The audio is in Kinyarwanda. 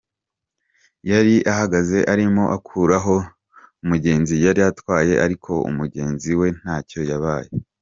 Yari ahagaze arimo akuraho umugenzi yari atwaye ariko umugenzi we ntacyo yabaye.